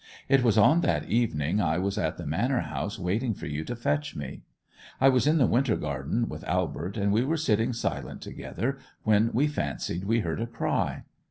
It was on that evening I was at the manor house waiting for you to fetch me; I was in the winter garden with Albert, and we were sitting silent together, when we fancied we heard a cry.